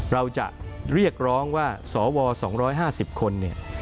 เราจะเรียกร้องว่าสว๒๕๐คนเนี่ย